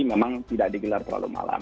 memang tidak digelar terlalu malam